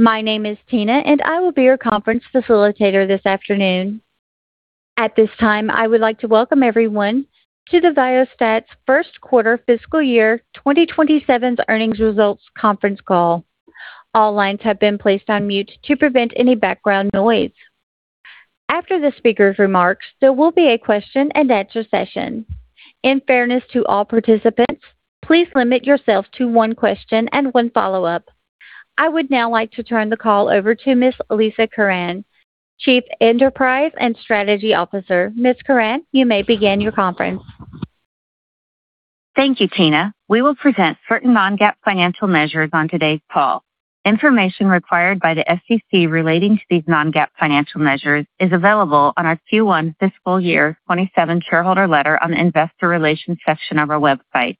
My name is Tina. I will be your conference facilitator this afternoon. At this time, I would like to welcome everyone to Viasat's first quarter fiscal year 2027 earnings results conference call. All lines have been placed on mute to prevent any background noise. After the speaker's remarks, there will be a question-and-answer session. In fairness to all participants, please limit yourself to one question and one follow-up. I would now like to turn the call over to Ms. Lisa Curran, Chief Enterprise and Strategy Officer. Ms. Curran, you may begin your conference. Thank you, Tina. We will present certain non-GAAP financial measures on today's call. Information required by the SEC relating to these non-GAAP financial measures is available on our Q1 fiscal year 2027 shareholder letter on the Investor Relations section of our website.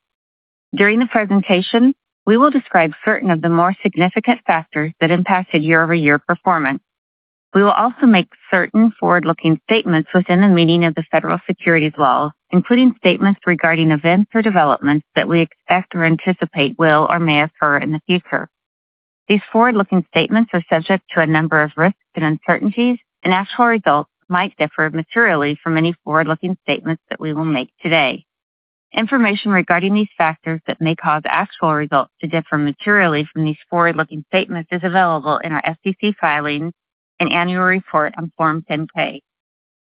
During the presentation, we will describe certain of the more significant factors that impacted year-over-year performance. We will also make certain forward-looking statements within the meaning of the federal securities laws, including statements regarding events or developments that we expect or anticipate will or may occur in the future. These forward-looking statements are subject to a number of risks and uncertainties. Actual results might differ materially from any forward-looking statements that we will make today. Information regarding these factors that may cause actual results to differ materially from these forward-looking statements is available in our SEC filings and annual report on Form 10-K.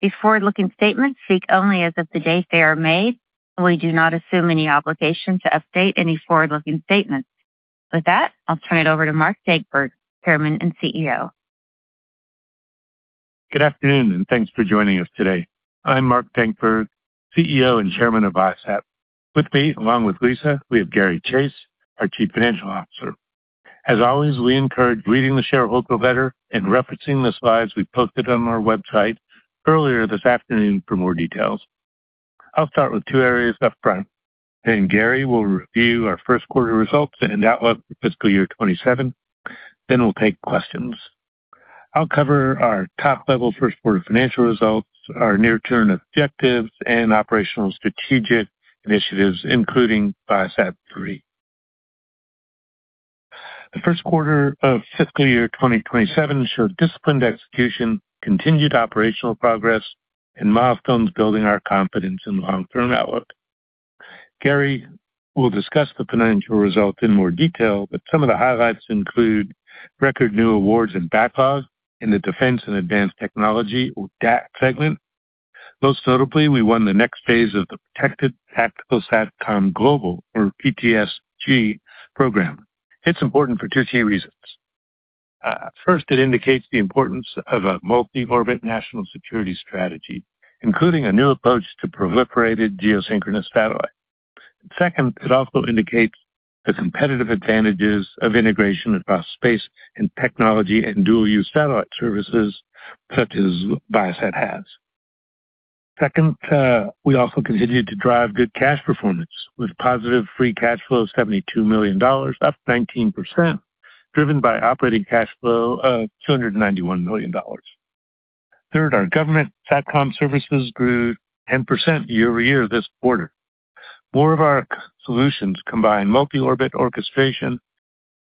These forward-looking statements speak only as of the day they are made. We do not assume any obligation to update any forward-looking statements. With that, I'll turn it over to Mark Dankberg, Chairman and CEO. Good afternoon. Thanks for joining us today. I'm Mark Dankberg, CEO and Chairman of Viasat. With me, along with Lisa, we have Gary Chase, our Chief Financial Officer. As always, we encourage reading the shareholder letter and referencing the slides we posted on our website earlier this afternoon for more details. I'll start with two areas upfront. Gary will review our first quarter results and outlook for fiscal year 2027. We'll take questions. I'll cover our top-level first quarter financial results, our near-term objectives, and operational strategic initiatives, including Viasat-3. The first quarter of fiscal year 2027 showed disciplined execution, continued operational progress, and milestones building our confidence in the long-term outlook. Gary will discuss the financial results in more detail, but some of the highlights include record new awards and backlog in the Defense & Advanced Technologies, or DAT, segment. Most notably, we won the next phase of the Protected Tactical SATCOM-Global, or PTSG, program. It's important for two key reasons. First, it indicates the importance of a multi-orbit national security strategy, including a new approach to proliferated geosynchronous satellites. Second, it also indicates the competitive advantages of integration across space and technology and dual-use satellite services such as Viasat has. We also continued to drive good cash performance, with positive free cash flow of $72 million, up 19%, driven by operating cash flow of $291 million. Third, our government SATCOM services grew 10% year-over-year this quarter. More of our solutions combine multi-orbit orchestration,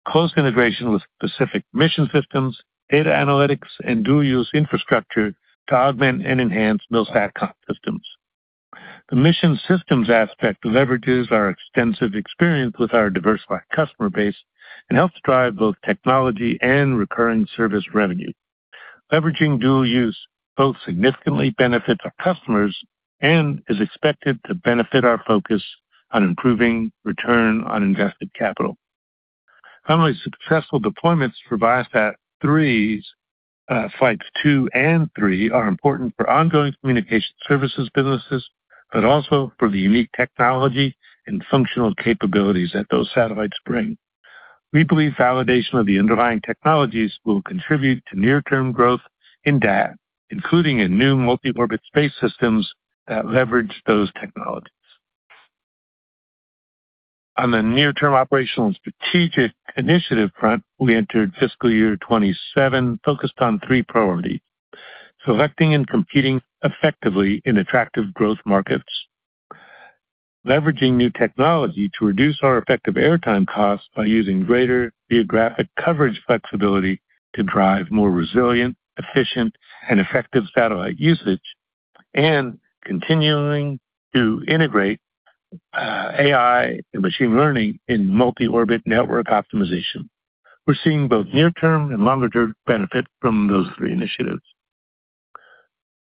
close integration with specific mission systems, data analytics, and dual-use infrastructure to augment and enhance those SATCOM systems. The mission systems aspect leverages our extensive experience with our diversified customer base and helps drive both technology and recurring service revenue. Leveraging dual use both significantly benefits our customers and is expected to benefit our focus on improving return on invested capital. Finally, successful deployments for ViaSat-3's Flights 2 and 3 are important for ongoing Communication Services businesses, but also for the unique technology and functional capabilities that those satellites bring. We believe validation of the underlying technologies will contribute to near-term growth in data, including in new multi-orbit space systems that leverage those technologies. On the near-term operational and strategic initiative front, we entered fiscal year 2027 focused on three priorities: selecting and competing effectively in attractive growth markets, leveraging new technology to reduce our effective airtime costs by using greater geographic coverage flexibility to drive more resilient, efficient, and effective satellite usage, and continuing to integrate AI and machine learning in multi-orbit network optimization. We're seeing both near-term and longer-term benefit from those three initiatives.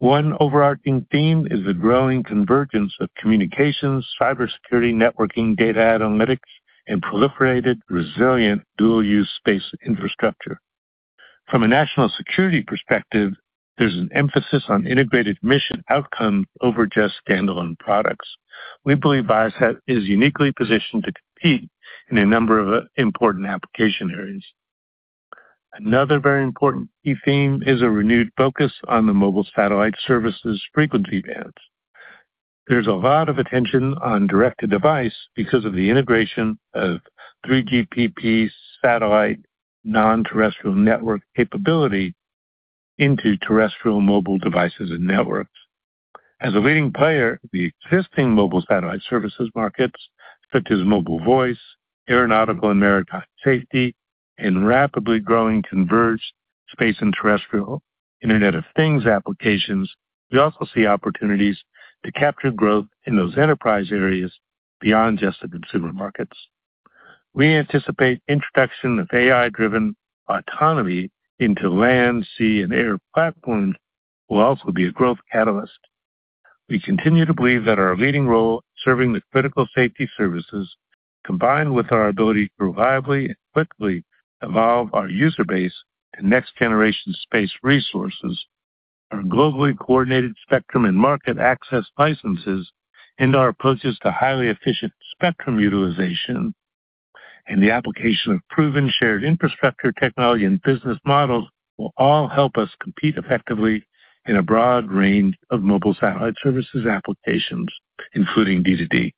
One overarching theme is the growing convergence of communications, cybersecurity, networking, data analytics, and proliferated, resilient, dual-use space infrastructure. From a national security perspective, there's an emphasis on integrated mission outcomes over just standalone products. We believe Viasat is uniquely positioned to compete in a number of important application areas. Another very important key theme is a renewed focus on the mobile satellite services frequency bands. There's a lot of attention on direct-to-device because of the integration of 3GPP satellite non-terrestrial network capability into terrestrial mobile devices and networks. As a leading player in the existing mobile satellite services markets, such as mobile voice, aeronautical and maritime safety, and rapidly growing converged space and terrestrial Internet of Things applications, we also see opportunities to capture growth in those enterprise areas beyond just the consumer markets. We anticipate introduction of AI-driven autonomy into land, sea, and air platforms will also be a growth catalyst. We continue to believe that our leading role serving the critical safety services, combined with our ability to reliably and quickly evolve our user base to next-generation space resources, our globally coordinated spectrum and market access licenses, and our approaches to highly efficient spectrum utilization and the application of proven shared infrastructure technology and business models will all help us compete effectively in a broad range of mobile satellite services applications, including D2D.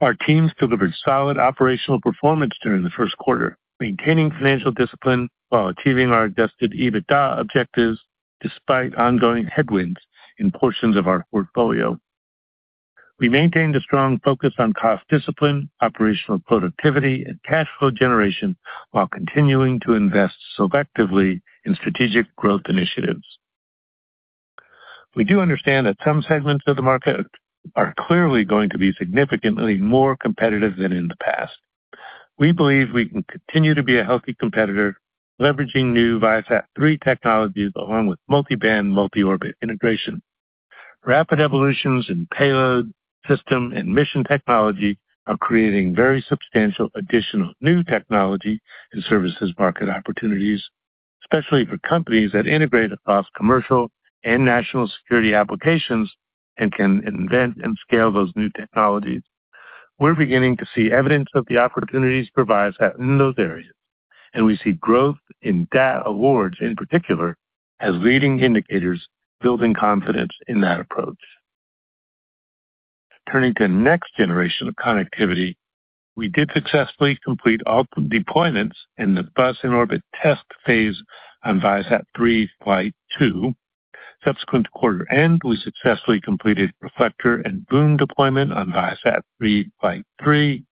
Our teams delivered solid operational performance during the first quarter, maintaining financial discipline while achieving our adjusted EBITDA objectives despite ongoing headwinds in portions of our portfolio. We maintained a strong focus on cost discipline, operational productivity, and cash flow generation while continuing to invest selectively in strategic growth initiatives. We do understand that some segments of the market are clearly going to be significantly more competitive than in the past. We believe we can continue to be a healthy competitor, leveraging new ViaSat-3 technologies along with multi-band, multi-orbit integration. Rapid evolutions in payload, system, and mission technology are creating very substantial additional new technology and services market opportunities, especially for companies that integrate across commercial and national security applications and can invent and scale those new technologies. We're beginning to see evidence of the opportunities for Viasat in those areas, and we see growth in DAT awards, in particular, as leading indicators building confidence in that approach. Turning to next generation of connectivity, we did successfully complete all deployments in the bus in-orbit test phase on ViaSat-3 flight 2. Subsequent to quarter end, we successfully completed reflector and boom deployment on ViaSat-3 flight 3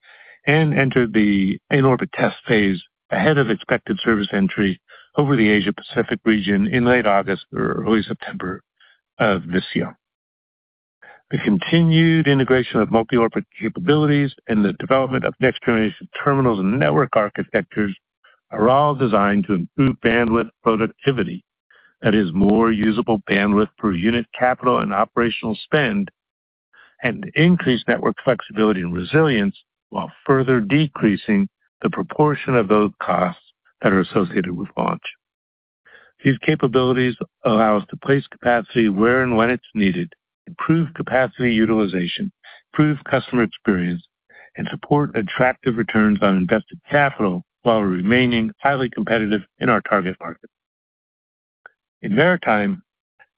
and entered the in-orbit test phase ahead of expected service entry over the Asia-Pacific region in late August or early September of this year. The continued integration of multi-orbit capabilities and the development of next-generation terminals and network architectures are all designed to improve bandwidth productivity. That is more usable bandwidth per unit capital and operational spend and increased network flexibility and resilience while further decreasing the proportion of those costs that are associated with launch. These capabilities allow us to place capacity where and when it's needed, improve capacity utilization, improve customer experience, and support attractive returns on invested capital while remaining highly competitive in our target market. In maritime,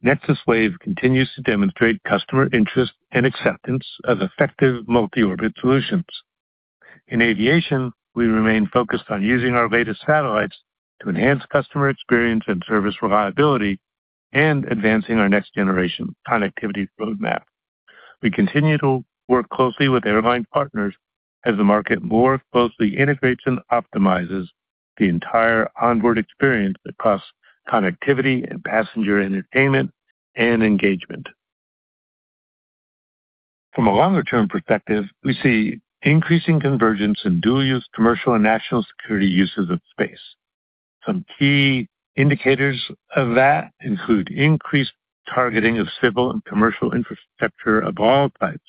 NexusWave continues to demonstrate customer interest and acceptance as effective multi-orbit solutions. In aviation, we remain focused on using our latest satellites to enhance customer experience and service reliability and advancing our next-generation connectivity roadmap. We continue to work closely with airline partners as the market more closely integrates and optimizes the entire onboard experience across connectivity and passenger entertainment and engagement. From a longer-term perspective, we see increasing convergence in dual-use commercial and national security uses of space. Some key indicators of that include increased targeting of civil and commercial infrastructure of all types,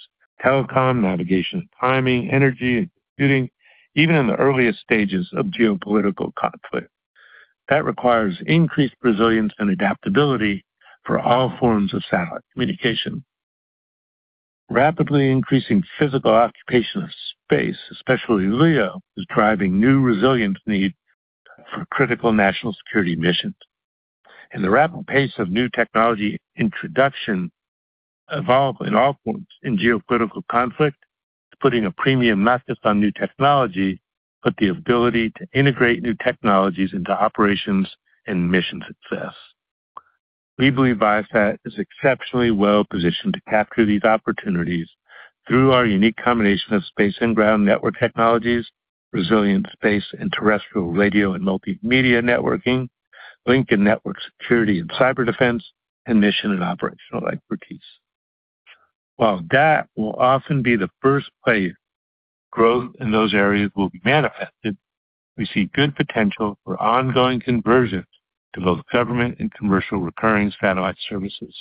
telecom, navigation and timing, energy, and computing, even in the earliest stages of geopolitical conflict. That requires increased resilience and adaptability for all forms of satellite communication. The rapid pace of new technology introduction evolve in all forms in geopolitical conflict is putting a premium not just on new technology, but the ability to integrate new technologies into operations and mission success. We believe Viasat is exceptionally well-positioned to capture these opportunities through our unique combination of space and ground network technologies, resilient space and terrestrial radio and multimedia networking, link and network security and cyber defense, and mission and operational expertise. While that will often be the first place growth in those areas will be manifested, we see good potential for ongoing conversion to both government and commercial recurring satellite services.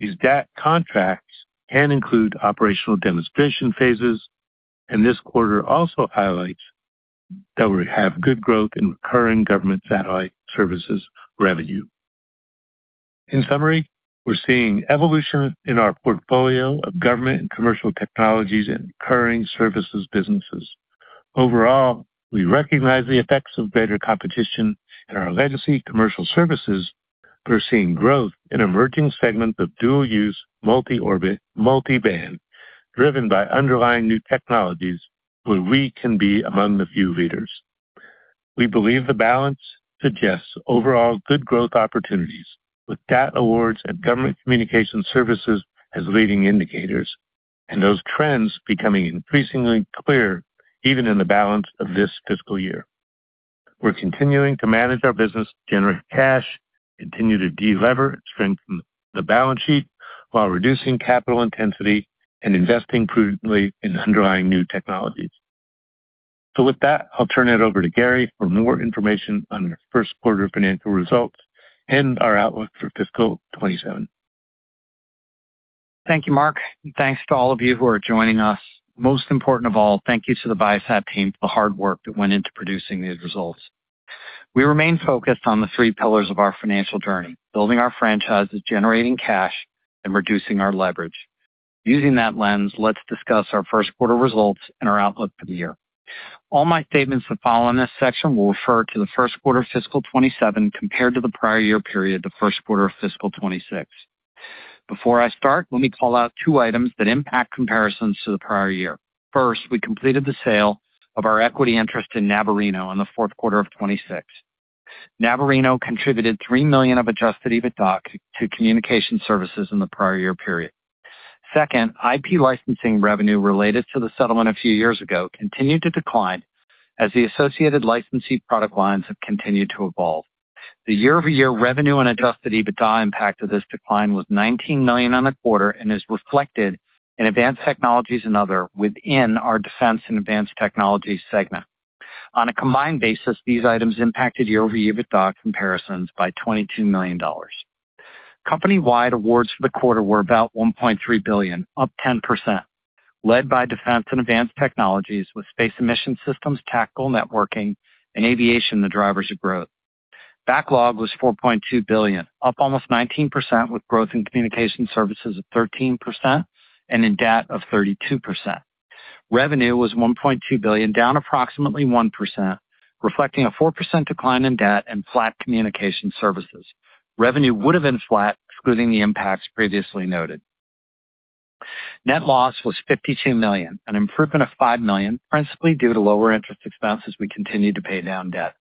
These DAT contracts can include operational demonstration phases. This quarter also highlights that we have good growth in recurring government satellite services revenue. In summary, we are seeing evolution in our portfolio of government and commercial technologies and recurring services businesses. Overall, we recognize the effects of greater competition in our legacy commercial services. We are seeing growth in emerging segments of dual-use, multi-orbit, multi-band, driven by underlying new technologies where we can be among the few leaders. We believe the balance suggests overall good growth opportunities with DAT awards and Government Communication Services as leading indicators, and those trends becoming increasingly clear even in the balance of this fiscal year. We are continuing to manage our business, generate cash, continue to de-lever and strengthen the balance sheet while reducing capital intensity and investing prudently in underlying new technologies. With that, I will turn it over to Gary for more information on our first quarter financial results and our outlook for fiscal 2027. Thank you, Mark, and thanks to all of you who are joining us. Most important of all, thank you to the Viasat team for the hard work that went into producing these results. We remain focused on the three pillars of our financial journey, building our franchises, generating cash, and reducing our leverage. Using that lens, let us discuss our first quarter results and our outlook for the year. All my statements that follow in this section will refer to the first quarter of fiscal 2027 compared to the prior year period, the first quarter of fiscal 2026. Before I start, let me call out two items that impact comparisons to the prior year. First, we completed the sale of our equity interest in Navarino in the fourth quarter of 2026. Navarino contributed $3 million of adjusted EBITDA to Communication Services in the prior year period. Second, IP licensing revenue related to the settlement a few years ago continued to decline as the associated licensee product lines have continued to evolve. The year-over-year revenue and adjusted EBITDA impact of this decline was $19 million on the quarter and is reflected in Advanced Technologies and Other within our Defense and Advanced Technologies segment. On a combined basis, these items impacted year-over-year EBITDA comparisons by $22 million. Company-wide awards for the quarter were about $1.3 billion, up 10%, led by Defense and Advanced Technologies with Space and Mission Systems, Tactical Networking, and Aviation the drivers of growth. Backlog was $4.2 billion, up almost 19%, with growth in Communication Services of 13% and in DAT of 32%. Revenue was $1.2 billion, down approximately 1%, reflecting a 4% decline in DAT and flat Communication Services. Revenue would have been flat excluding the impacts previously noted. Net loss was $52 million, an improvement of $5 million principally due to lower interest expense as we continue to pay down debt.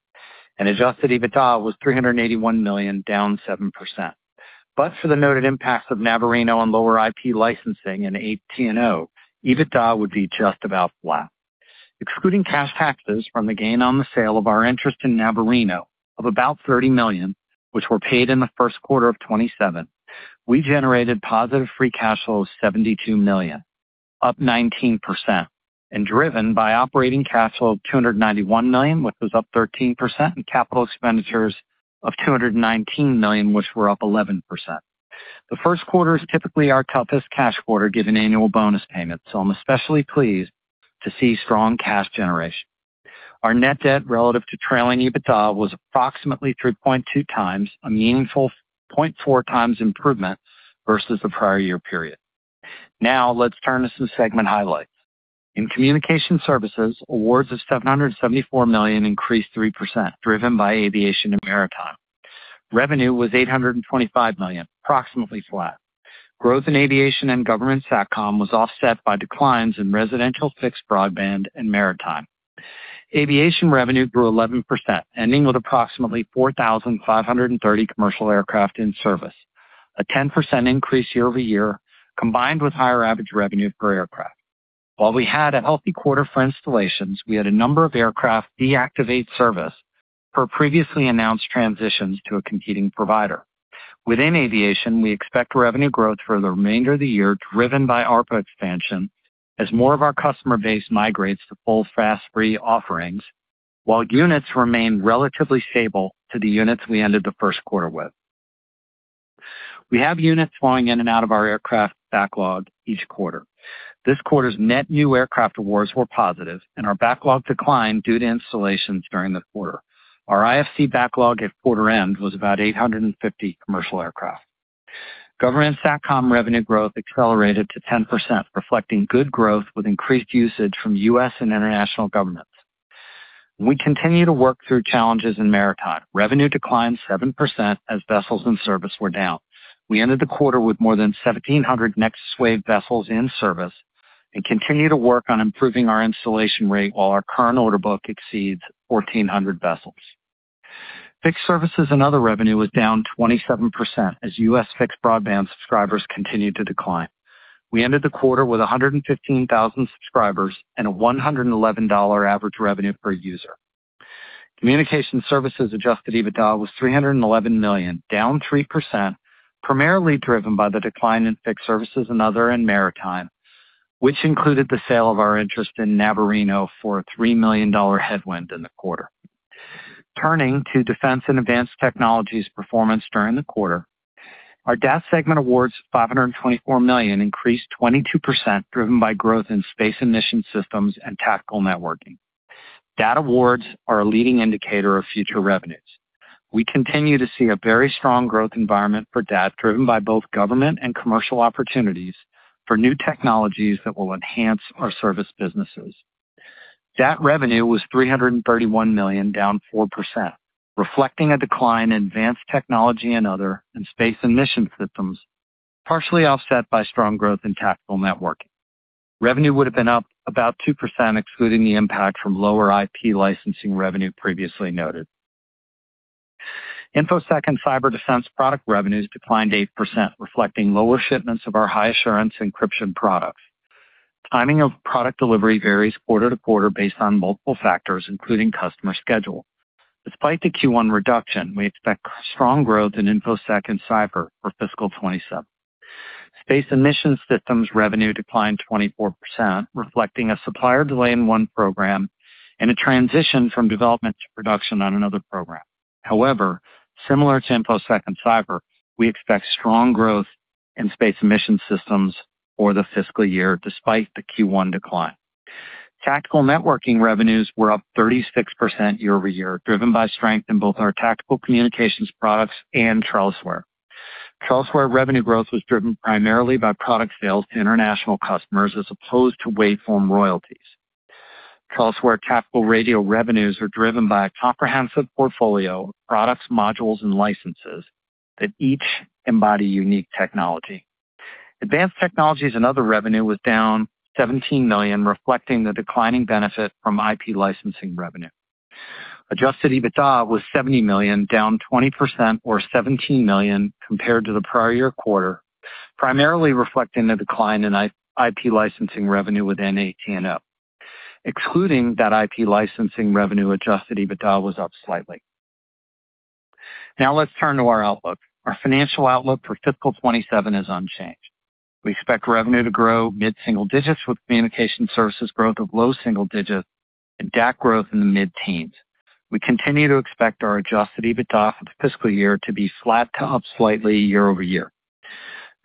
Adjusted EBITDA was $381 million, down 7%. For the noted impacts of Navarino and lower IP licensing in AT&O, EBITDA would be just about flat. Excluding cash taxes from the gain on the sale of our interest in Navarino of about $30 million, which were paid in the first quarter of 2027, we generated positive free cash flow of $72 million, up 19%, and driven by operating cash flow of $291 million, which was up 13%, and capital expenditures of $219 million, which were up 11%. The first quarter is typically our toughest cash quarter given annual bonus payments, so I am especially pleased to see strong cash generation. Our net debt relative to trailing EBITDA was approximately 3.2x, a meaningful 0.4x improvement versus the prior year period. Let's turn to some segment highlights. In Communication Services, awards of $774 million increased 3%, driven by Aviation and Maritime. Revenue was $825 million, approximately flat. Growth in Aviation and Government SATCOM was offset by declines in residential fixed broadband and Maritime. Aviation revenue grew 11%, ending with approximately 4,530 commercial aircraft in service, a 10% increase year-over-year, combined with higher average revenue per aircraft. While we had a healthy quarter for installations, we had a number of aircraft deactivate service per previously announced transitions to a competing provider. Within Aviation, we expect revenue growth for the remainder of the year driven by ARPA expansion as more of our customer base migrates to full fast free offerings, while units remain relatively stable to the units we ended the first quarter with. We have units flowing in and out of our aircraft backlog each quarter. This quarter's net new aircraft awards were positive and our backlog declined due to installations during the quarter. Our IFC backlog at quarter end was about 850 commercial aircraft. Government SATCOM revenue growth accelerated to 10%, reflecting good growth with increased usage from U.S. and international governments. We continue to work through challenges in Maritime. Revenue declined 7% as vessels in service were down. We ended the quarter with more than 1,700 NexusWave vessels in service and continue to work on improving our installation rate while our current order book exceeds 1,400 vessels. Fixed Services and Other revenue was down 27% as U.S. fixed broadband subscribers continued to decline. We ended the quarter with 115,000 subscribers and a $111 average revenue per user. Communication Services adjusted EBITDA was $311 million, down 3%, primarily driven by the decline in Fixed Services and Other and Maritime, which included the sale of our interest in Navarino for a $3 million headwind in the quarter. Turning to Defense and Advanced Technologies performance during the quarter. Our DAT segment awards $524 million increased 22%, driven by growth in Space and Mission Systems and Tactical Networking. DAT awards are a leading indicator of future revenues. We continue to see a very strong growth environment for DAT driven by both government and commercial opportunities for new technologies that will enhance our service businesses. DAT revenue was $331 million, down 4%, reflecting a decline in Advanced Technologies and Other and Space and Mission Systems, partially offset by strong growth in Tactical Networking. Revenue would have been up about 2% excluding the impact from lower IP licensing revenue previously noted. InfoSec and cyber defense product revenues declined 8%, reflecting lower shipments of our high assurance encryption products. Timing of product delivery varies quarter to quarter based on multiple factors, including customer schedule. Despite the Q1 reduction, we expect strong growth in InfoSec and cyber for fiscal 2027. Space and Mission Systems revenue declined 24%, reflecting a supplier delay in one program and a transition from development to production on another program. Similar to InfoSec and cyber, we expect strong growth in Space and Mission Systems for the fiscal year despite the Q1 decline. Tactical Networking revenues were up 36% year-over-year, driven by strength in both our tactical communications products and TrellisWare. TrellisWare revenue growth was driven primarily by product sales to international customers as opposed to waveform royalties. TrellisWare tactical radio revenues are driven by a comprehensive portfolio of products, modules, and licenses that each embody unique technology. Advanced Technologies and Other revenue was down $17 million, reflecting the declining benefit from IP licensing revenue. Adjusted EBITDA was $70 million, down 20% or $17 million compared to the prior year quarter, primarily reflecting the decline in IP licensing revenue within ATNO. Excluding that IP licensing revenue, adjusted EBITDA was up slightly. Let's turn to our outlook. Our financial outlook for fiscal 2027 is unchanged. We expect revenue to grow mid-single digits with Communication Services growth of low single digits and DAT growth in the mid-teens. We continue to expect our adjusted EBITDA for the fiscal year to be flat to up slightly year-over-year.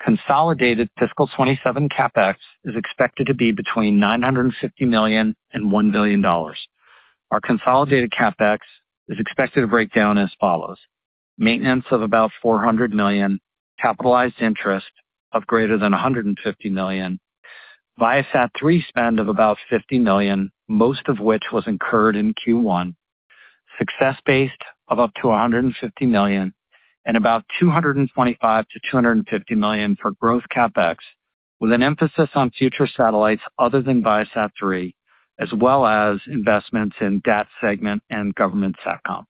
Consolidated fiscal 2027 CapEx is expected to be between $950 million-$1 billion. Our consolidated CapEx is expected to break down as follows: maintenance of about $400 million, capitalized interest of greater than $150 million, ViaSat-3 spend of about $50 million, most of which was incurred in Q1, success-based of up to $150 million, and about $225 million-$250 million for growth CapEx, with an emphasis on future satellites other than ViaSat-3, as well as investments in DAT segment and government SATCOM.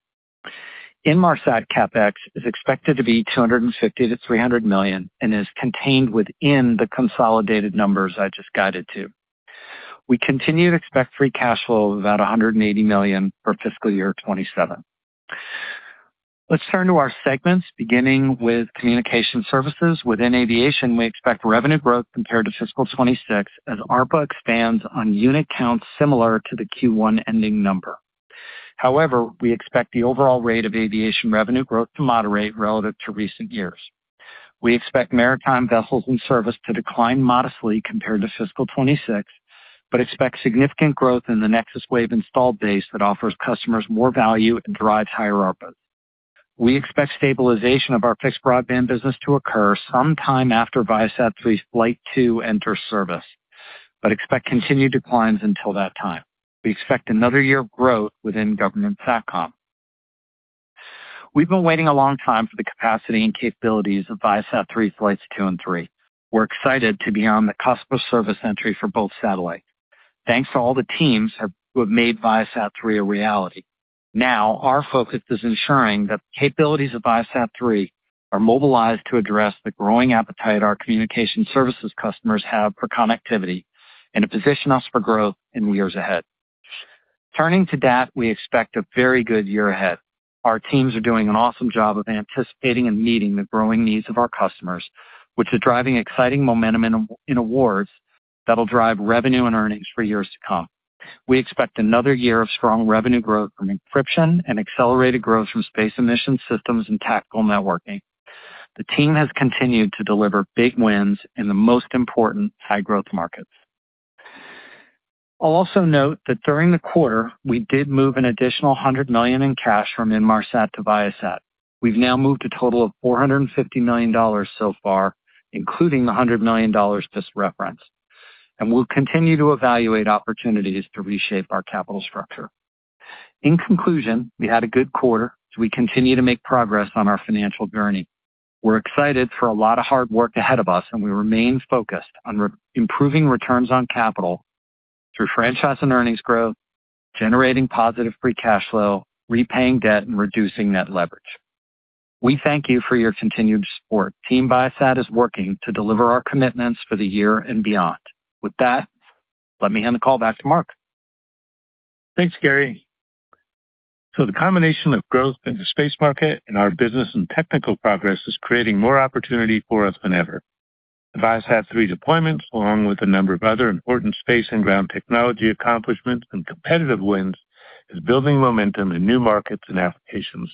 Inmarsat CapEx is expected to be $250 million-$300 million and is contained within the consolidated numbers I just guided to. We continue to expect free cash flow of about $180 million for fiscal year 2027. Let's turn to our segments, beginning with Communication Services. Within aviation, we expect revenue growth compared to fiscal 2026 as ARPA expands on unit counts similar to the Q1 ending number. We expect the overall rate of aviation revenue growth to moderate relative to recent years. We expect maritime vessels in service to decline modestly compared to fiscal 2026, expect significant growth in the NexusWave installed base that offers customers more value and drives higher ARPA. We expect stabilization of our fixed broadband business to occur sometime after ViaSat-3 flight two enters service, expect continued declines until that time. We expect another year of growth within government SATCOM. We've been waiting a long time for the capacity and capabilities of ViaSat-3 flights two and three. We're excited to be on the cusp of service entry for both satellites. Thanks to all the teams who have made ViaSat-3 a reality. Our focus is ensuring that the capabilities of ViaSat-3 are mobilized to address the growing appetite our Communication Services customers have for connectivity and to position us for growth in the years ahead. Turning to DAT, we expect a very good year ahead. Our teams are doing an awesome job of anticipating and meeting the growing needs of our customers, which are driving exciting momentum in awards that'll drive revenue and earnings for years to come. We expect another year of strong revenue growth from encryption and accelerated growth from Space and Mission Systems and Tactical Networking. The team has continued to deliver big wins in the most important high-growth markets. I'll also note that during the quarter, we did move an additional $100 million in cash from Inmarsat to Viasat. We've now moved a total of $450 million so far, including the $100 million just referenced, and we'll continue to evaluate opportunities to reshape our capital structure. In conclusion, we had a good quarter as we continue to make progress on our financial journey. We're excited for a lot of hard work ahead of us, and we remain focused on improving returns on capital through franchise and earnings growth, generating positive free cash flow, repaying debt, and reducing net leverage. We thank you for your continued support. Team Viasat is working to deliver our commitments for the year and beyond. With that, let me hand the call back to Mark. Thanks, Gary. The combination of growth in the space market and our business and technical progress is creating more opportunity for us than ever. The ViaSat-3 deployments, along with a number of other important space and ground technology accomplishments and competitive wins, is building momentum in new markets and applications.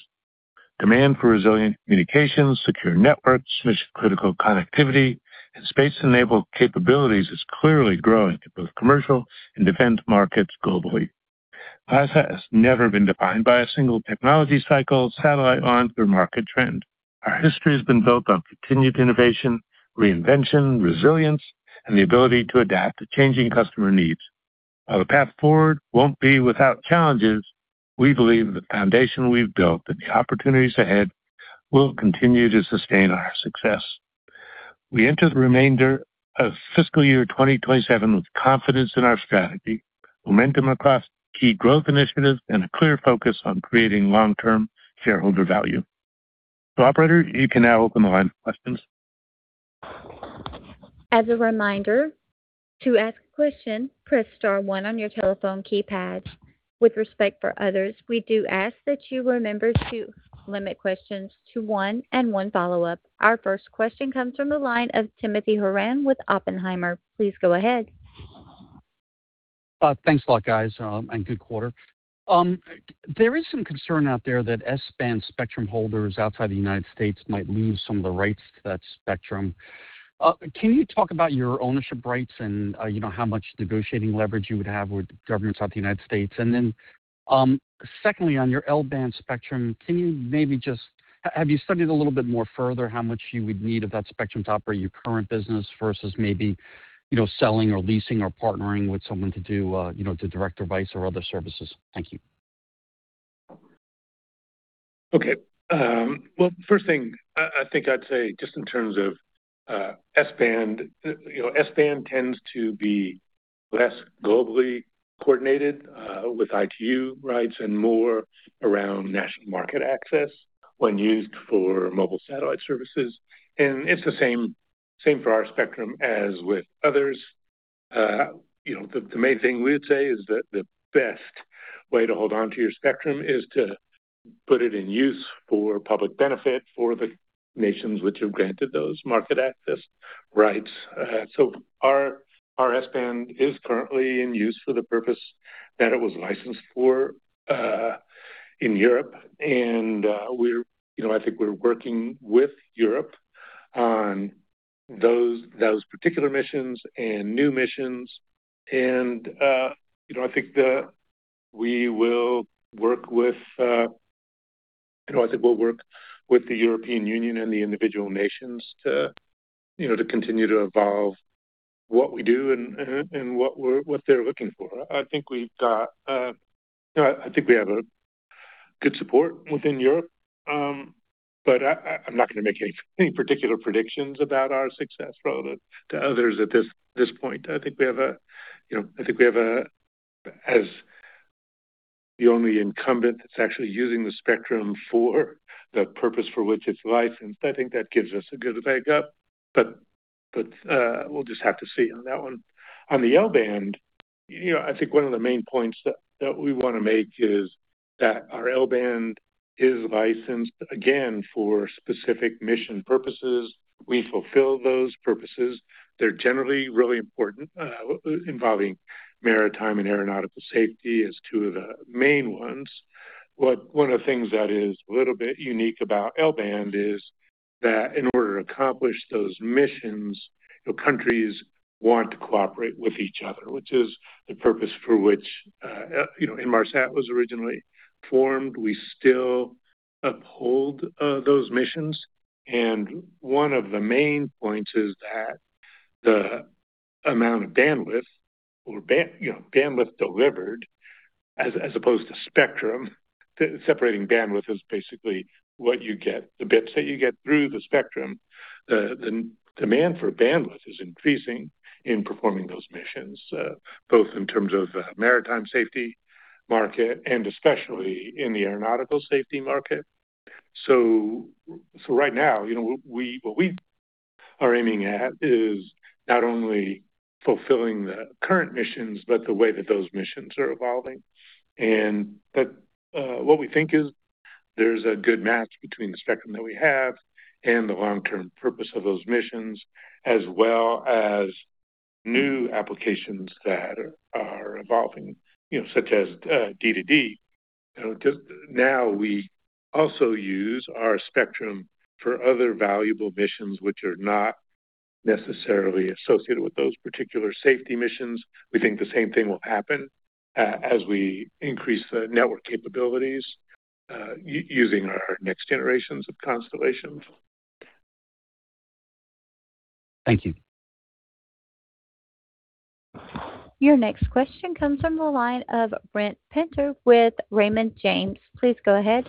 Demand for resilient communications, secure networks, mission-critical connectivity, and space-enabled capabilities is clearly growing in both commercial and defense markets globally. Viasat has never been defined by a single technology cycle, satellite launch, or market trend. Our history has been built on continued innovation, reinvention, resilience, and the ability to adapt to changing customer needs. While the path forward won't be without challenges, we believe the foundation we've built and the opportunities ahead will continue to sustain our success. We enter the remainder of fiscal year 2027 with confidence in our strategy, momentum across key growth initiatives, and a clear focus on creating long-term shareholder value. Operator, you can now open the line for questions. As a reminder, to ask a question, press star one on your telephone keypad. With respect for others, we do ask that you remember to limit questions to one and one follow-up. Our first question comes from the line of Timothy Horan with Oppenheimer. Please go ahead. Thanks a lot, guys, and good quarter. There is some concern out there that S-band spectrum holders outside the United States might lose some of the rights to that spectrum. Can you talk about your ownership rights and how much negotiating leverage you would have with the government outside the United States? Secondly, on your L-band spectrum, have you studied a little bit more further how much you would need of that spectrum to operate your current business versus maybe selling or leasing or partnering with someone to do direct-to-device or other services? Thank you. Okay. Well, first thing I think I'd say, just in terms of S-band, S-band tends to be less globally coordinated with ITU rights and more around national market access when used for mobile satellite services. It's the same for our spectrum as with others. The main thing we would say is that the best way to hold onto your spectrum is to put it in use for public benefit for the nations which have granted those market access rights. Our S-band is currently in use for the purpose that it was licensed for in Europe. I think we're working with Europe on those particular missions and new missions. I think that we'll work with the European Union and the individual nations to continue to evolve what we do and what they're looking for. I think we have good support within Europe. I'm not going to make any particular predictions about our success relative to others at this point. I think, as the only incumbent that's actually using the spectrum for the purpose for which it's licensed, I think that gives us a good leg up, but we'll just have to see on that one. On the L-band, I think one of the main points that we want to make is that our L-band is licensed, again, for specific mission purposes. We fulfill those purposes. They're generally really important, involving maritime and aeronautical safety as two of the main ones. One of the things that is a little bit unique about L-band is that in order to accomplish those missions, countries want to cooperate with each other, which is the purpose for which Inmarsat was originally formed. We still uphold those missions. One of the main points is that the amount of bandwidth delivered, as opposed to spectrum, separating bandwidth is basically what you get, the bits that you get through the spectrum. The demand for bandwidth is increasing in performing those missions, both in terms of the maritime safety market and especially in the aeronautical safety market. Right now, what we are aiming at is not only fulfilling the current missions, but the way that those missions are evolving. What we think is there's a good match between the spectrum that we have and the long-term purpose of those missions, as well as new applications that are evolving, such as D2D. Now, we also use our spectrum for other valuable missions which are not necessarily associated with those particular safety missions. We think the same thing will happen as we increase the network capabilities using our next generations of constellations. Thank you. Your next question comes from the line of Brent Penter with Raymond James. Please go ahead.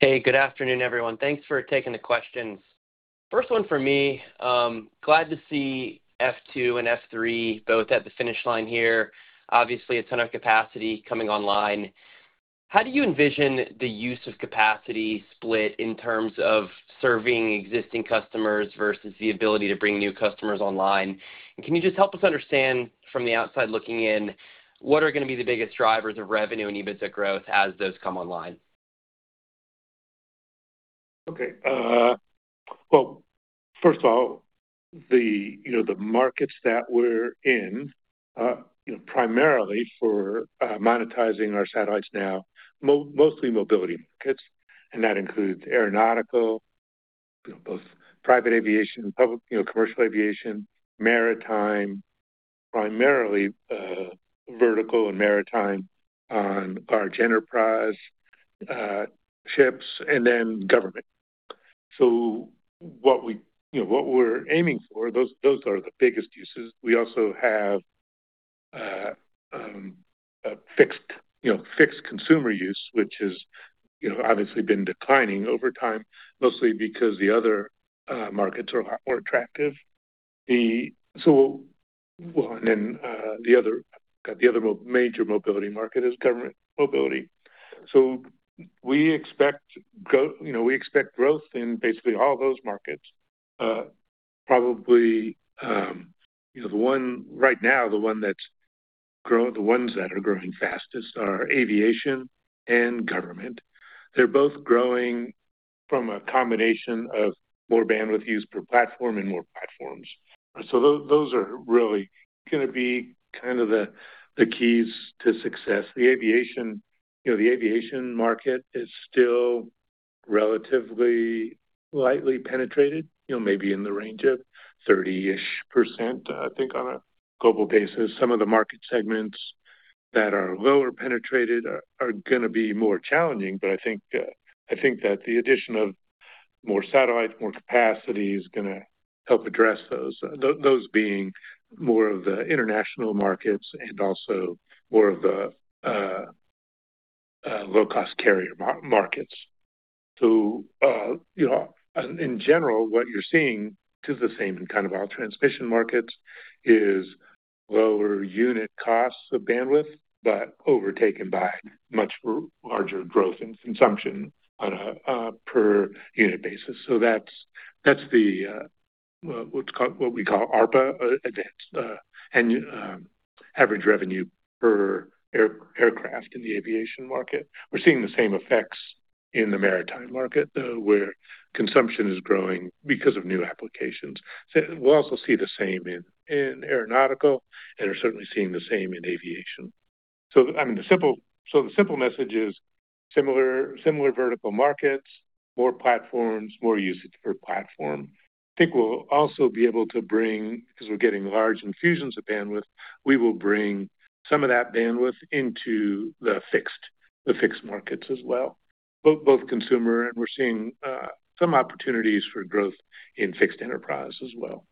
Hey, good afternoon, everyone. Thanks for taking the questions. First one for me. Glad to see F2 and F3 both at the finish line here. Obviously, a ton of capacity coming online. How do you envision the use of capacity split in terms of serving existing customers versus the ability to bring new customers online? Can you just help us understand from the outside looking in, what are going to be the biggest drivers of revenue and EBITDA growth as those come online? Well, first of all, the markets that we're in, primarily for monetizing our satellites now, mostly mobility markets, and that includes aeronautical, both private aviation, public commercial aviation, maritime, primarily vertical and maritime on large enterprise ships, and then government. What we're aiming for, those are the biggest uses. We also have fixed consumer use, which has obviously been declining over time, mostly because the other markets are a lot more attractive. The other major mobility market is government mobility. We expect growth in basically all those markets. Probably, right now, the ones that are growing fastest are aviation and government. They're both growing from a combination of more bandwidth use per platform and more platforms. Those are really going to be kind of the keys to success. The aviation market is still relatively lightly penetrated, maybe in the range of 30-ish%, I think, on a global basis. Some of the market segments that are lower penetrated are going to be more challenging, I think that the addition of more satellites, more capacity, is going to help address those being more of the international markets and also more of the low-cost carrier markets. In general, what you're seeing, this is the same in kind of all transmission markets, is lower unit costs of bandwidth, but overtaken by much larger growth in consumption on a per unit basis. That's what we call ARPA advanced, average revenue per aircraft in the aviation market. We're seeing the same effects in the maritime market, though, where consumption is growing because of new applications. We'll also see the same in aeronautical, and are certainly seeing the same in aviation. The simple message is similar vertical markets, more platforms, more usage per platform. I think we'll also be able to bring, because we're getting large infusions of bandwidth, we will bring some of that bandwidth into the fixed markets as well, both consumer, and we're seeing some opportunities for growth in fixed enterprise as well.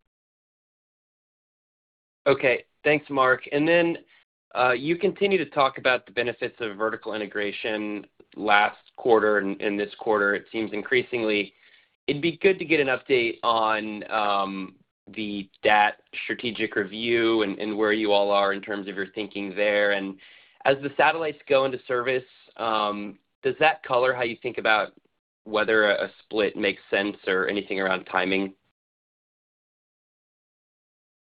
Okay. Thanks, Mark. You continued to talk about the benefits of vertical integration last quarter and this quarter. It seems increasingly it'd be good to get an update on the DAT strategic review and where you all are in terms of your thinking there. As the satellites go into service, does that color how you think about whether a split makes sense or anything around timing?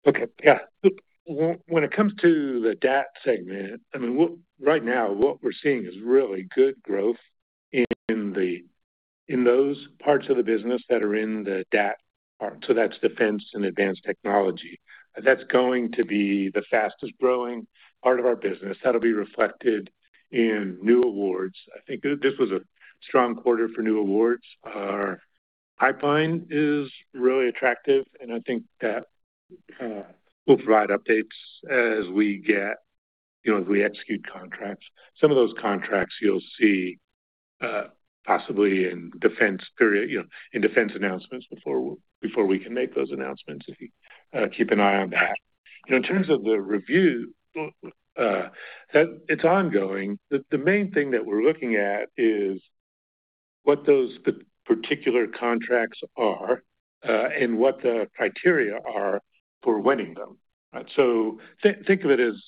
Okay. Yeah. Look, when it comes to the DAT segment, right now, what we're seeing is really good growth in those parts of the business that are in the DAT part, that's Defense and Advanced Technologies. That'll be the fastest-growing part of our business. That'll be reflected in new awards. I think this was a strong quarter for new awards. Our pipeline is really attractive, and I think that we'll provide updates as we execute contracts. Some of those contracts you'll see possibly in defense announcements before we can make those announcements. If you keep an eye on that. In terms of the review, it's ongoing. The main thing that we're looking at is what those particular contracts are and what the criteria are for winning them. Think of it as,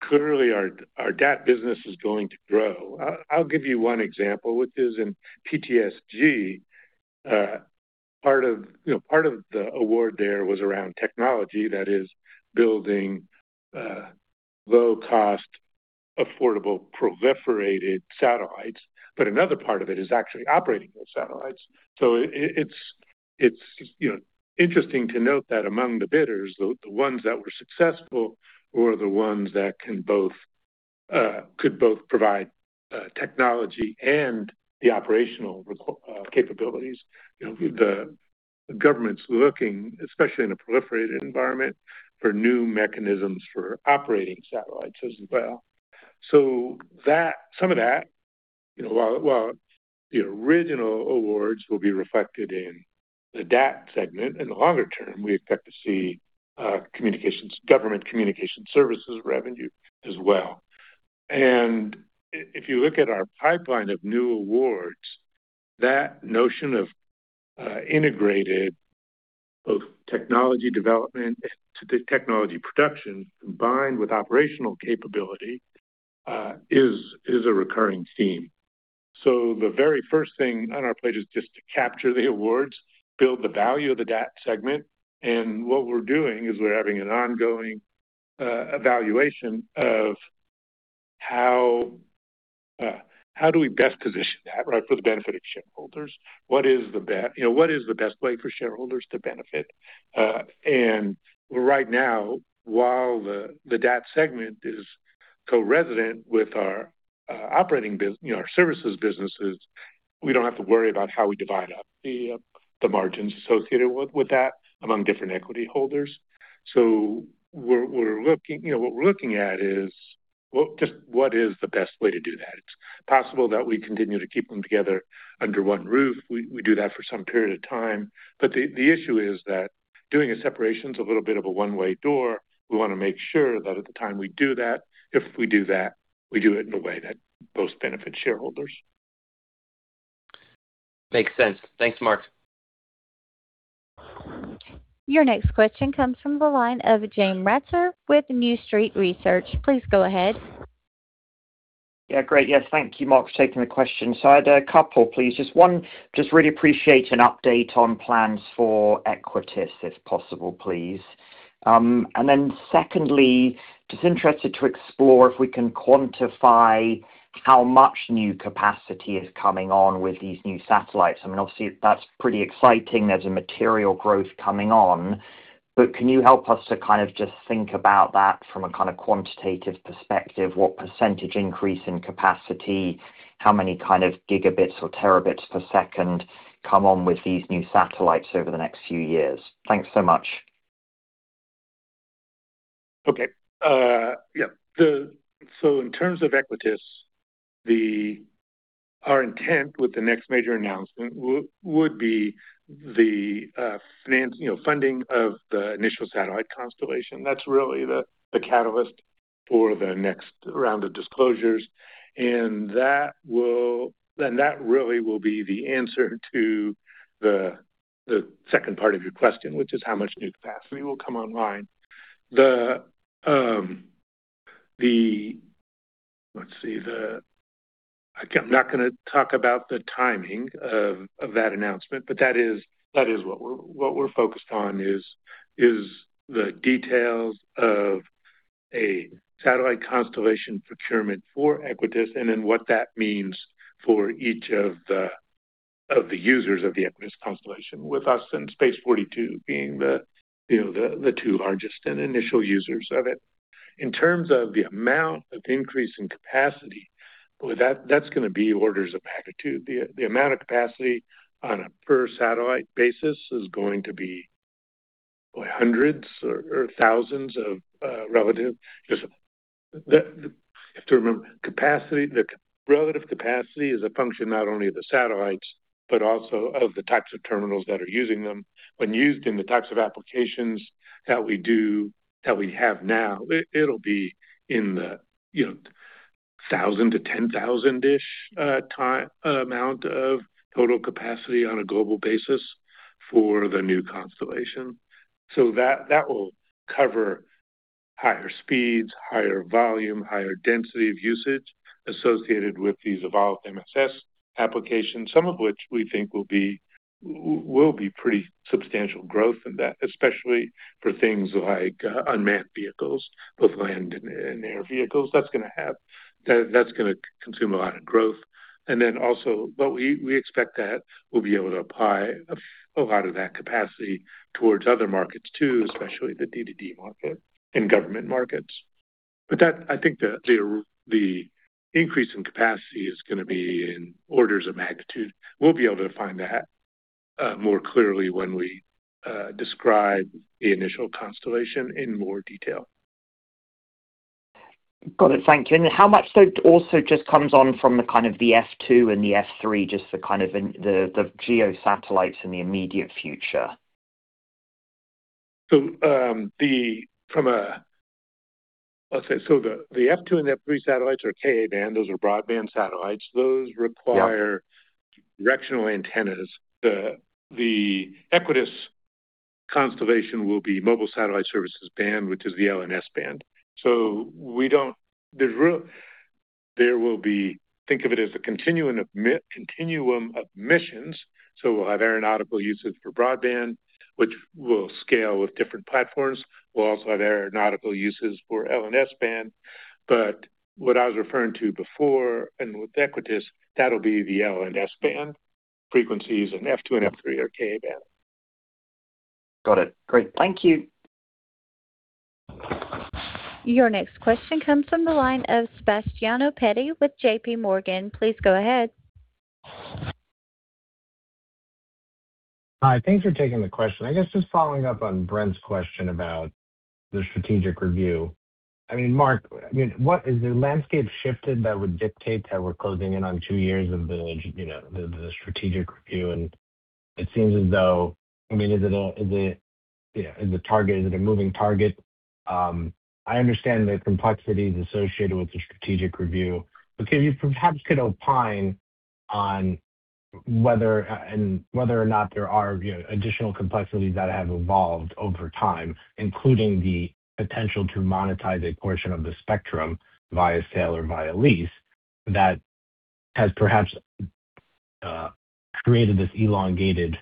clearly our DAT business is going to grow. I'll give you one example, which is in PTSG. Part of the award there was around technology that is building low-cost, affordable, proliferated satellites, but another part of it is actually operating those satellites. It's interesting to note that among the bidders, the ones that were successful were the ones that could both provide technology and the operational capabilities. The government's looking, especially in a proliferated environment, for new mechanisms for operating satellites as well. Some of that, while the original awards will be reflected in the DAT segment, in the longer term, we expect to see government Communication Services revenue as well. If you look at our pipeline of new awards, that notion of integrated both technology development to the technology production combined with operational capability, is a recurring theme. The very first thing on our plate is just to capture the awards, build the value of the DAT segment. What we're doing is we're having an ongoing evaluation of how do we best position that for the benefit of shareholders? What is the best way for shareholders to benefit? Right now, while the DAT segment is co-resident with our operating services businesses, we don't have to worry about how we divide up the margins associated with that among different equity holders. What we're looking at is just what is the best way to do that. It's possible that we continue to keep them together under one roof. We do that for some period of time, but the issue is that doing a separation's a little bit of a one-way door. We want to make sure that at the time we do that, if we do that, we do it in a way that most benefits shareholders. Makes sense. Thanks, Mark. Your next question comes from the line of James Ratzer with New Street Research. Please go ahead. Yeah, great. Yes, thank you, Mark, for taking the question. I had a couple, please. Just one, just really appreciate an update on plans for Equatys, if possible, please. Secondly, just interested to explore if we can quantify how much new capacity is coming on with these new satellites. I mean, obviously, that's pretty exciting. There's a material growth coming on. Can you help us to kind of just think about that from a kind of quantitative perspective? What percentage increase in capacity? How many kind of gigabits or terabits per second come on with these new satellites over the next few years? Thanks so much. Okay. Yeah. In terms of Equatys, our intent with the next major announcement would be the funding of the initial satellite constellation. That's really the catalyst for the next round of disclosures, and that really will be the answer to the second part of your question, which is how much new capacity will come online. Let's see. I'm not going to talk about the timing of that announcement, but that is what we're focused on, is the details of a satellite constellation procurement for Equatys and then what that means for each of the users of the Equatys constellation, with us and Space42 being the two largest and initial users of it. In terms of the amount of increase in capacity, boy, that's going to be orders of magnitude. The amount of capacity on a per-satellite basis is going to be hundreds or thousands of. You have to remember, relative capacity is a function not only of the satellites but also of the types of terminals that are using them. When used in the types of applications that we have now, it will be in the 1,000 to 10,000-ish amount of total capacity on a global basis for the new constellation. That will cover higher speeds, higher volume, higher density of usage associated with these evolved MSS applications. Some of which we think will be pretty substantial growth in that, especially for things like unmanned vehicles, both land and air vehicles. That is going to consume a lot of growth. Also, we expect that we will be able to apply a lot of that capacity towards other markets, too, especially the D2D market and government markets. I think the increase in capacity is going to be in orders of magnitude. We will be able to define that more clearly when we describe the initial constellation in more detail. Got it. Thank you. How much, though, also just comes on from the kind of the F2 and the F3, just the kind of the geo satellites in the immediate future? Let's see. The F2 and the F3 satellites are Ka-band. Those are broadband satellites. Those require- Yeah directional antennas. The Equatys constellation will be mobile satellite services band, which is the L and S band. Think of it as a continuum of missions. We'll have aeronautical uses for broadband, which will scale with different platforms. We'll also have aeronautical uses for L and S band. What I was referring to before, and with Equatys, that'll be the L and S band frequencies, and F2 and F3 are Ka-band. Got it. Great. Thank you. Your next question comes from the line of Sebastiano Petti with JPMorgan. Please go ahead. Hi, thanks for taking the question. I guess just following up on Brent's question about the strategic review. I mean, Mark, has the landscape shifted that would dictate that we're closing in on two years of the strategic review? It seems as though, is it a moving target? I understand the complexities associated with the strategic review. Can you perhaps opine on whether or not there are additional complexities that have evolved over time, including the potential to monetize a portion of the spectrum via sale or via lease that has perhaps created this elongated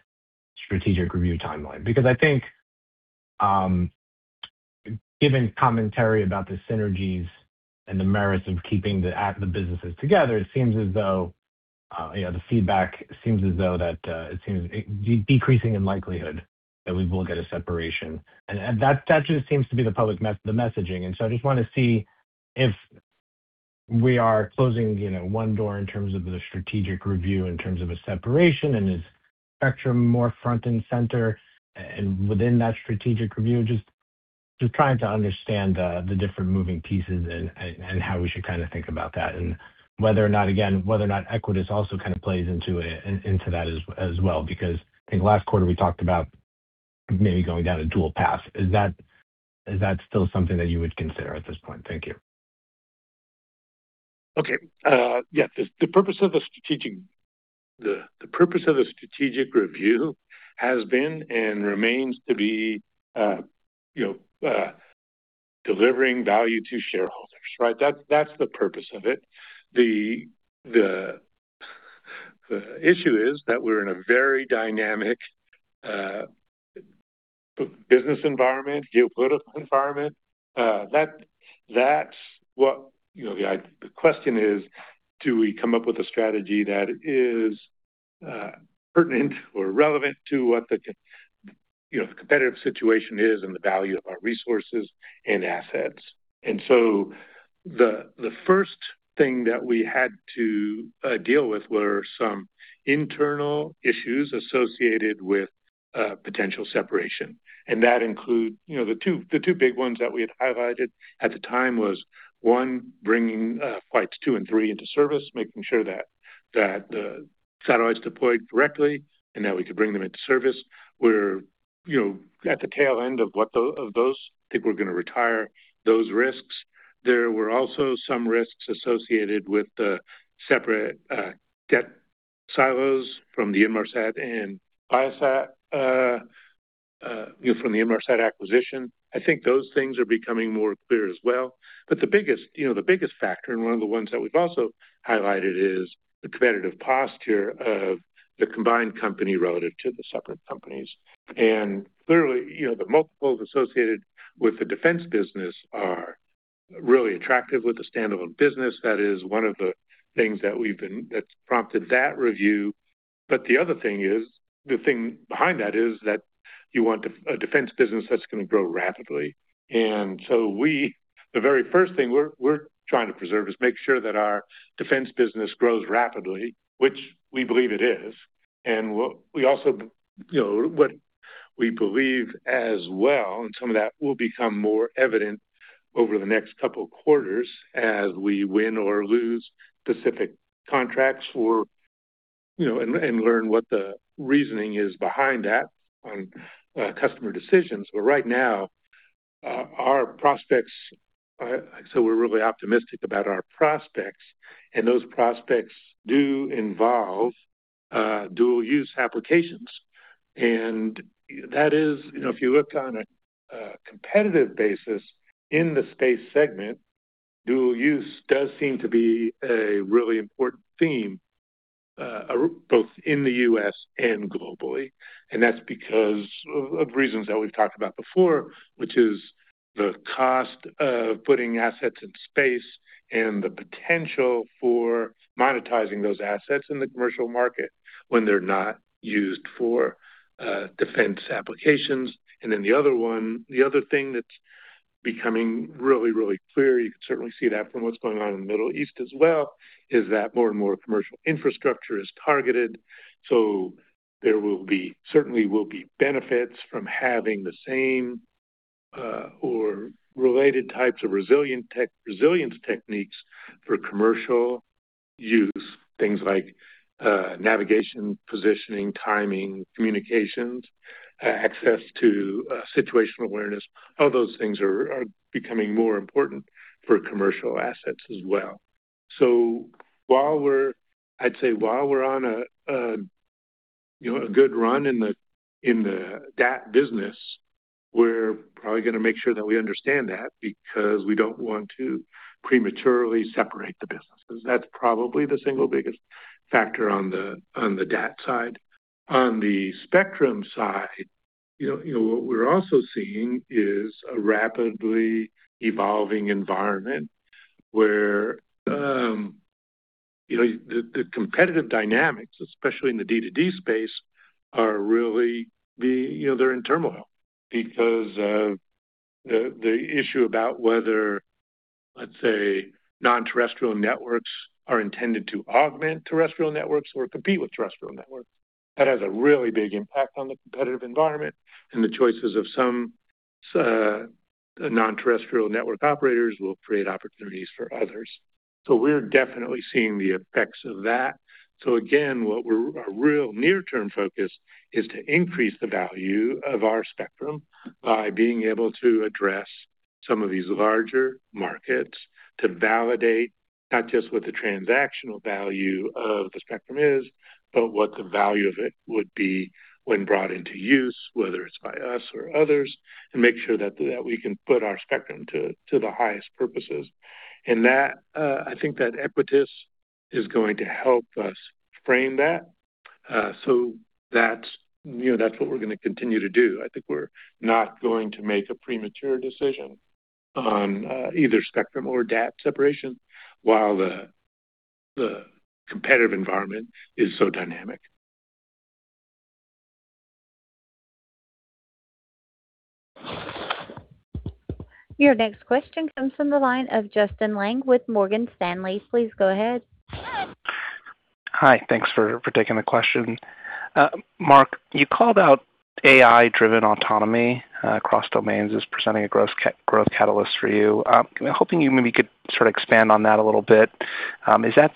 strategic review timeline? I think, given commentary about the synergies and the merits of keeping the businesses together, it seems as though the feedback seems decreasing in likelihood that we will get a separation. That just seems to be the public messaging. I just want to see if we are closing one door in terms of the strategic review, in terms of a separation and is spectrum more front and center and within that strategic review. Just trying to understand the different moving pieces and how we should think about that and, again, whether or not Equatys also plays into that as well, because I think last quarter we talked about maybe going down a dual path. Is that still something that you would consider at this point? Thank you. Okay. Yes. The purpose of the strategic review has been and remains to be delivering value to shareholders, right? That's the purpose of it. The issue is that we're in a very dynamic business environment, geopolitical environment. The question is, do we come up with a strategy that is pertinent or relevant to what the competitive situation is and the value of our resources and assets? The first thing that we had to deal with were some internal issues associated with potential separation. That include the two big ones that we had highlighted at the time was, one, bringing Flights 2 and 3 into service, making sure that the satellites deployed correctly and that we could bring them into service. We're at the tail end of those. I think we're going to retire those risks. There were also some risks associated with the separate debt silos from the Inmarsat and Viasat from the Inmarsat acquisition. I think those things are becoming more clear as well. The biggest factor, and one of the ones that we've also highlighted, is the competitive posture of the combined company relative to the separate companies. Clearly, the multiples associated with the defense business are really attractive with the standalone business. That is one of the things that's prompted that review. The other thing is, the thing behind that is that you want a defense business that's going to grow rapidly. The very first thing we're trying to preserve is make sure that our defense business grows rapidly, which we believe it is. We believe as well, and some of that will become more evident over the next couple of quarters as we win or lose specific contracts and learn what the reasoning is behind that on customer decisions. Right now, we're really optimistic about our prospects, and those prospects do involve dual-use applications. That is, if you look on a competitive basis in the space segment, dual-use does seem to be a really important theme, both in the U.S. and globally. That's because of reasons that we've talked about before, which is the cost of putting assets in space and the potential for monetizing those assets in the commercial market when they're not used for defense applications. The other thing that's becoming really, really clear, you can certainly see that from what's going on in the Middle East as well, is that more and more commercial infrastructure is targeted. There certainly will be benefits from having the same or related types of resilience techniques for commercial use. Things like navigation, positioning, timing, communications, access to situational awareness. All those things are becoming more important for commercial assets as well. I'd say while we're on a good run in that business, we're probably going to make sure that we understand that because we don't want to prematurely separate the businesses. That's probably the single biggest factor on the DAT side. On the spectrum side, what we're also seeing is a rapidly evolving environment where the competitive dynamics, especially in the D2D space, they're in turmoil because of the issue about whether, let's say, non-terrestrial networks are intended to augment terrestrial networks or compete with terrestrial networks. That has a really big impact on the competitive environment, and the choices of some non-terrestrial network operators will create opportunities for others. We're definitely seeing the effects of that. Again, our real near-term focus is to increase the value of our spectrum by being able to address some of these larger markets to validate not just what the transactional value of the spectrum is, but what the value of it would be when brought into use. Whether it's by us or others, to make sure that we can put our spectrum to the highest purposes. I think that Equatys is going to help us frame that. That's what we're going to continue to do. I think we're not going to make a premature decision on either spectrum or DAT separation while the competitive environment is so dynamic. Your next question comes from the line of Justin Lang with Morgan Stanley. Please go ahead. Hi. Thanks for taking the question. Mark, you called out AI-driven autonomy across domains as presenting a growth catalyst for you. I'm hoping you maybe could expand on that a little bit. Is that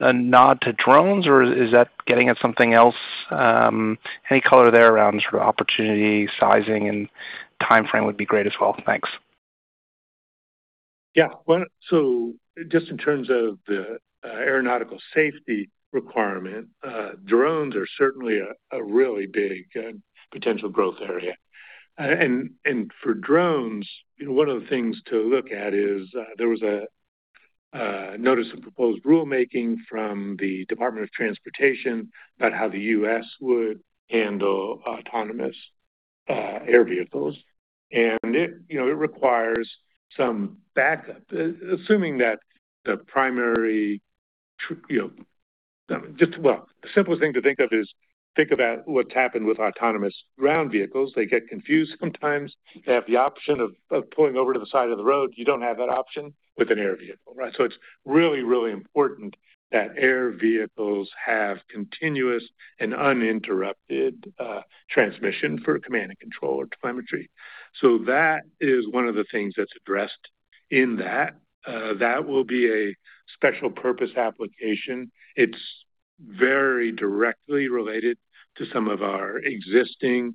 a nod to drones, or is that getting at something else? Any color there around opportunity sizing and timeframe would be great as well. Thanks. Yeah. Just in terms of the aeronautical safety requirement, drones are certainly a really big potential growth area. For drones, one of the things to look at is, there was a notice of proposed rulemaking from the Department of Transportation about how the U.S. would handle autonomous air vehicles. It requires some backup. Assuming that the simplest thing to think of is think about what's happened with autonomous ground vehicles. They get confused sometimes. They have the option of pulling over to the side of the road. You don't have that option with an air vehicle, right? It's really, really important that air vehicles have continuous and uninterrupted transmission for command and control or telemetry. That is one of the things that's addressed in that. That will be a special purpose application. It's very directly related to some of our existing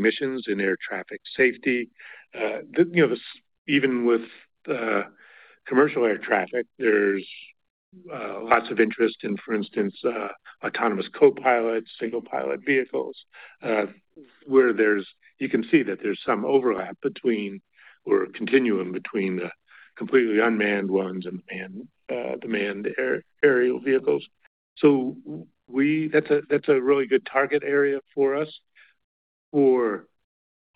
missions in air traffic safety. Even with commercial air traffic, there's lots of interest in, for instance, autonomous co-pilots, single-pilot vehicles, where you can see that there's some overlap between or a continuum between the completely unmanned ones and the manned aerial vehicles. That's a really good target area for us. For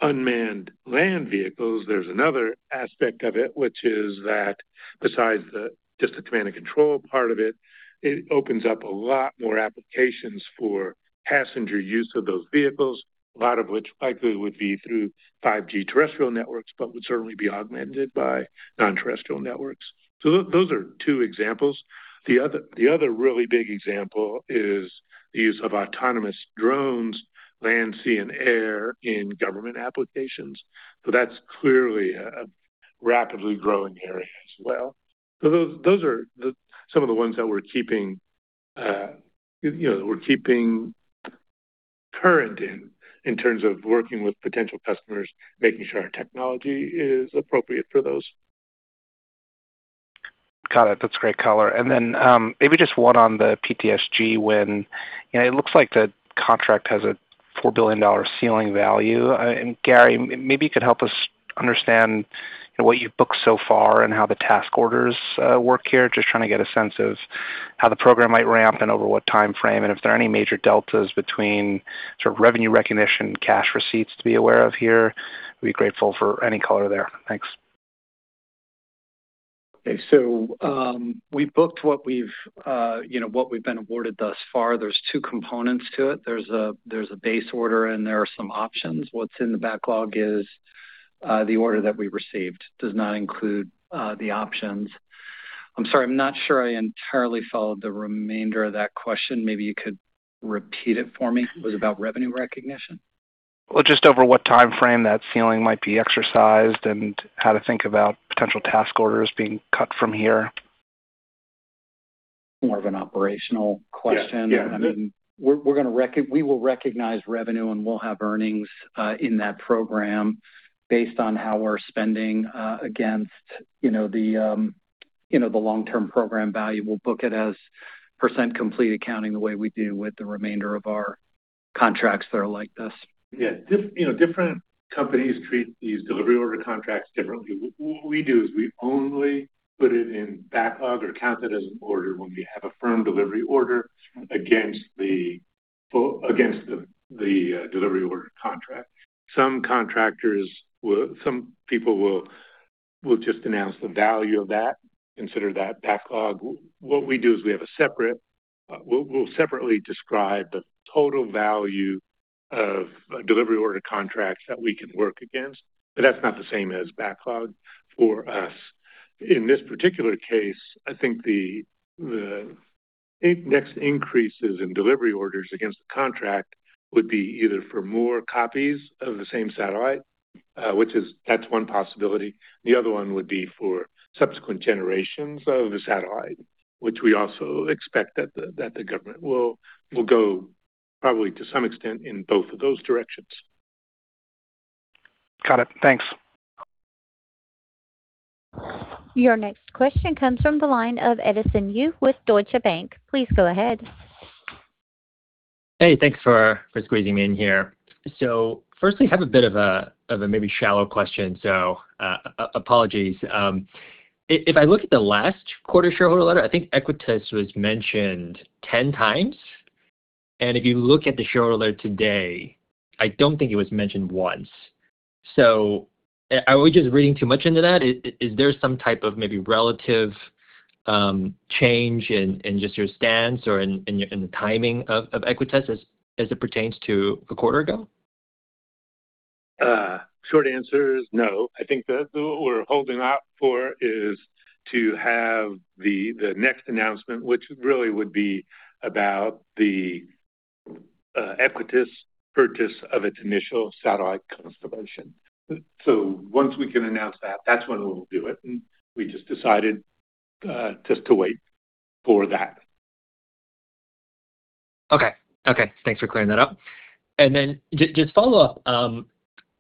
unmanned land vehicles, there's another aspect of it, which is that besides just the command and control part of it opens up a lot more applications for passenger use of those vehicles, a lot of which likely would be through 5G terrestrial networks, but would certainly be augmented by non-terrestrial networks. Those are two examples. The other really big example is the use of autonomous drones, land, sea, and air in government applications. That's clearly a rapidly growing area as well. Those are some of the ones that we're keeping current in terms of working with potential customers, making sure our technology is appropriate for those. Got it. That's great color. Maybe just one on the PTSG win. It looks like the contract has a $4 billion ceiling value. Gary, maybe you could help us understand what you've booked so far and how the task orders work here. Just trying to get a sense of how the program might ramp and over what timeframe, and if there are any major deltas between revenue recognition, cash receipts to be aware of here. I'd be grateful for any color there. Thanks. Okay. We've booked what we've been awarded thus far. There's two components to it. There's a base order, and there are some options. What's in the backlog is the order that we received. Does not include the options. I'm sorry, I'm not sure I entirely followed the remainder of that question. Maybe you could repeat it for me. It was about revenue recognition? Just over what timeframe that ceiling might be exercised and how to think about potential task orders being cut from here. More of an operational question. Yeah. We will recognize revenue, we'll have earnings in that program based on how we're spending against the long-term program value. We'll book it as percent complete accounting, the way we do with the remainder of our contracts that are like this. Different companies treat these delivery order contracts differently. We only put it in backlog or count it as an order when we have a firm delivery order against the delivery order contract. Some contractors, some people will just announce the value of that, consider that backlog. We'll separately describe the total value of delivery order contracts that we can work against, but that's not the same as backlog for us. In this particular case, I think the next increases in delivery orders against the contract would be either for more copies of the same satellite, which is, that's one possibility. The other one would be for subsequent generations of the satellite, which we also expect that the government will go probably to some extent in both of those directions. Got it. Thanks. Your next question comes from the line of Edison Yu with Deutsche Bank. Please go ahead. Hey, thanks for squeezing me in here. Firstly, I have a bit of a maybe shallow question, so apologies. If I look at the last quarter shareholder letter, I think Equatys was mentioned 10x, and if you look at the shareholder today, I don't think it was mentioned once. Am I just reading too much into that? Is there some type of maybe relative change in just your stance or in the timing of Equatys as it pertains to a quarter ago? Short answer is no. I think that what we're holding out for is to have the next announcement, which really would be about the Equatys purchase of its initial satellite constellation. Once we can announce that's when we'll do it, and we just decided to wait for that. Okay. Thanks for clearing that up. Just follow up,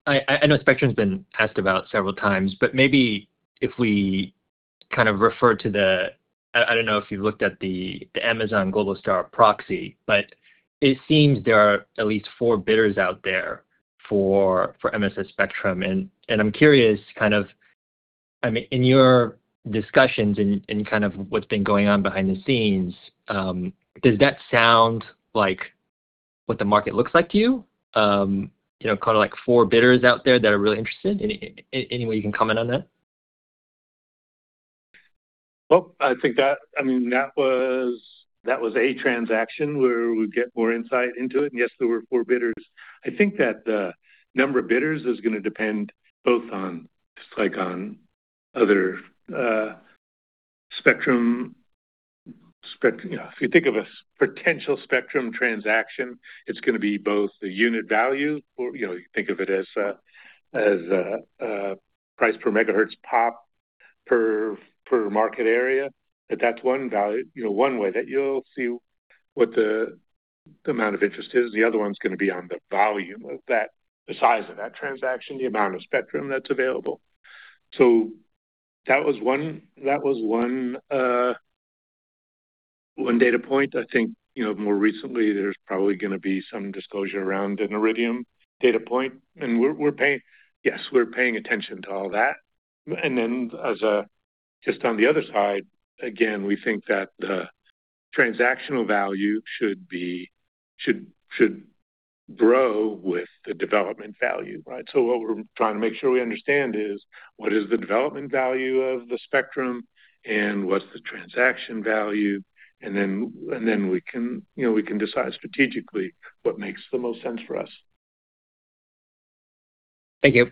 I know the spectrum's been asked about several times, but maybe if we kind of refer to the I don't know if you've looked at the Amazon Globalstar proxy, but it seems there are at least four bidders out there for MSS spectrum. I'm curious, I mean, in your discussions and kind of what's been going on behind the scenes, does that sound like what the market looks like to you? Kind of like four bidders out there that are really interested. Any way you can comment on that? Well, I think that was a transaction where we get more insight into it, and yes, there were four bidders. I think that the number of bidders is going to depend both on, just like on other spectrum. If you think of a potential spectrum transaction, it's going to be both the unit value or you think of it as a price per megahertz pop per market area. That's one way that you'll see what the amount of interest is. The other one's going to be on the volume of that, the size of that transaction, the amount of spectrum that's available. That was one data point. I think, more recently, there's probably going to be some disclosure around an Iridium data point, and we're paying attention to all that. Just on the other side, again, we think that the transactional value should grow with the development value, right? What we're trying to make sure we understand is what is the development value of the spectrum and what's the transaction value, and then we can decide strategically what makes the most sense for us. Thank you.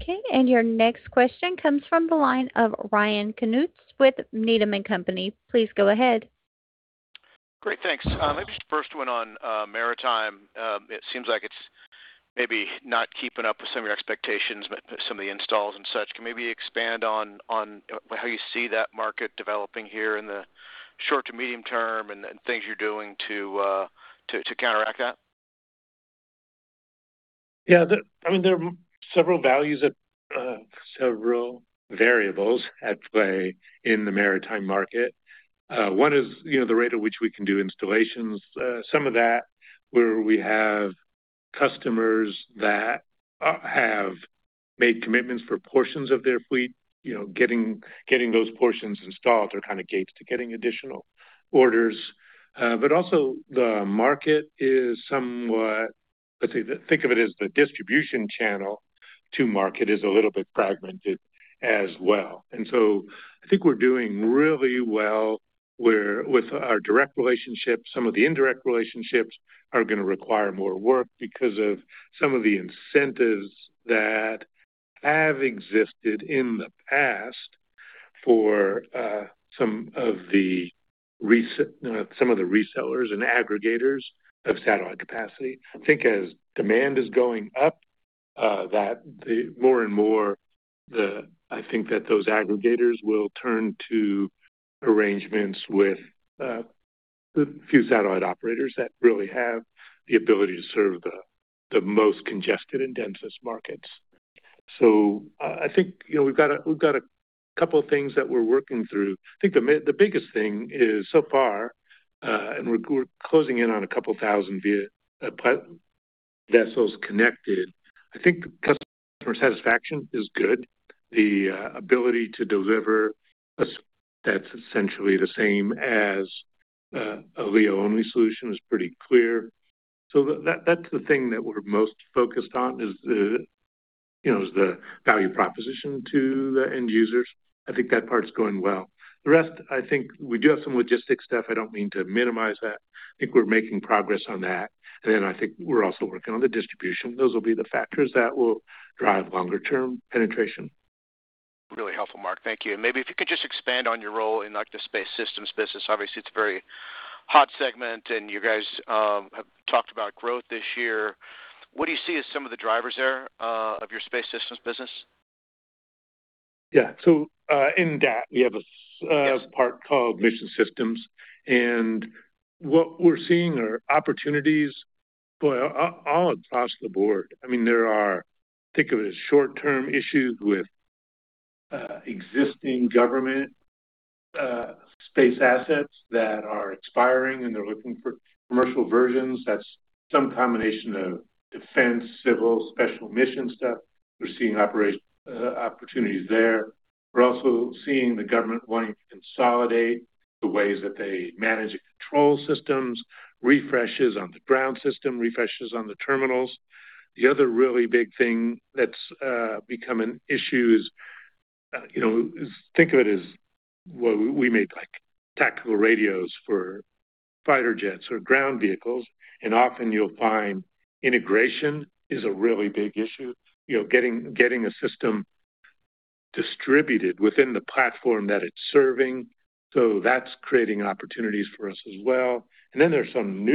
Okay, your next question comes from the line of Ryan Koontz with Needham & Company. Please go ahead. Great, thanks. Maybe just the first one on maritime. It seems like it's maybe not keeping up with some of your expectations, some of the installs and such. Can maybe expand on how you see that market developing here in the short to medium term and things you're doing to counteract that? Yeah. I mean, there are several values, several variables at play in the maritime market. One is the rate at which we can do installations. Some of that where we have customers that have made commitments for portions of their fleet, getting those portions installed are kind of gates to getting additional orders. Also, the market is somewhat, let's say that, think of it as the distribution channel to market is a little bit fragmented as well. I think we're doing really well with our direct relationships. Some of the indirect relationships are going to require more work because of some of the incentives that have existed in the past for some of the resellers and aggregators of satellite capacity. I think as demand is going up, that more and more, I think that those aggregators will turn to arrangements with the few satellite operators that really have the ability to serve the most congested and densest markets. I think we've got a couple of things that we're working through. I think the biggest thing is so far, and we're closing in on a couple of thousand vessels connected. I think customer satisfaction is good. The ability to deliver a solution that's essentially the same as a LEO-only solution is pretty clear. That's the thing that we're most focused on is the value proposition to the end users. I think that part's going well. The rest, I think we do have some logistics stuff. I don't mean to minimize that. I think we're making progress on that. I think we're also working on the distribution. Those will be the factors that will drive longer-term penetration. Really helpful, Mark. Thank you. Maybe if you could just expand on your role in, like, the space systems business. Obviously, it's a very hot segment, and you guys have talked about growth this year. What do you see as some of the drivers there of your space systems business? Yeah. In that, we have a part called Mission Systems, and what we're seeing are opportunities all across the board. I mean, there are, think of it as short-term issues with existing government space assets that are expiring, and they're looking for commercial versions. That's some combination of defense, civil, special mission stuff. We're seeing operation opportunities there. We're also seeing the government wanting to consolidate the ways that they manage and control systems, refreshes on the ground system, refreshes on the terminals. The other really big thing that's become an issue is, think of it as, well, we made tactical radios for fighter jets or ground vehicles, and often you'll find integration is a really big issue. Getting a system distributed within the platform that it's serving. That's creating opportunities for us as well. Then there's some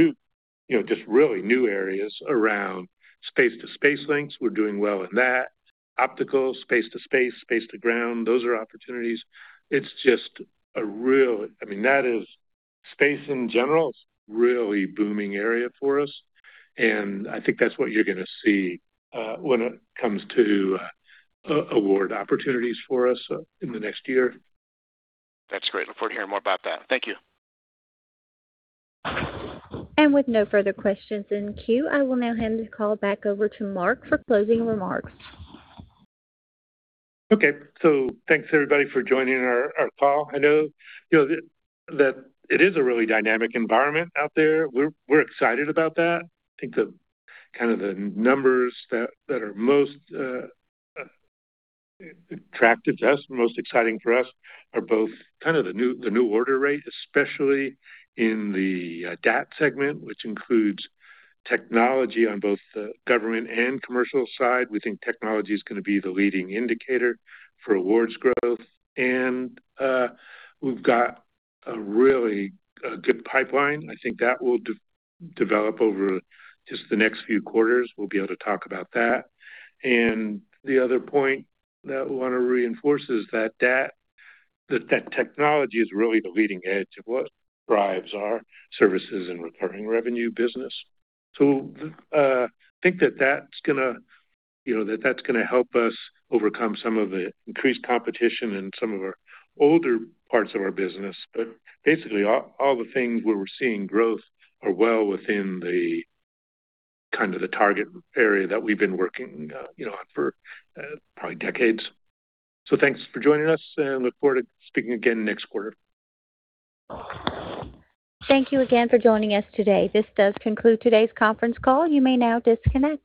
just really new areas around space-to-space links. We're doing well in that. Optical space to space to ground, those are opportunities. Space in general is a really booming area for us, and I think that's what you're going to see when it comes to award opportunities for us in the next year. That's great. Look forward to hearing more about that. Thank you. With no further questions in queue, I will now hand this call back over to Mark for closing remarks. Okay. Thanks everybody for joining our call. I know that it is a really dynamic environment out there. We're excited about that. I think the kind of the numbers that are most attractive to us, most exciting for us, are both kind of the new order rate, especially in the DAT segment, which includes technology on both the government and commercial side. We think technology is going to be the leading indicator for awards growth. We've got a really good pipeline. I think that will develop over just the next few quarters. We'll be able to talk about that. The other point that we want to reinforce is that technology is really the leading edge of what drives our services and recurring revenue business. I think that that's going to help us overcome some of the increased competition in some of our older parts of our business. Basically, all the things where we're seeing growth are well within the kind of the target area that we've been working on for probably decades. Thanks for joining us, and look forward to speaking again next quarter. Thank you again for joining us today. This does conclude today's conference call. You may now disconnect.